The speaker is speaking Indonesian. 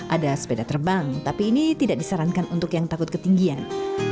ada sepeda terbang tapi ini tidak disarankan untuk yang takut ketinggian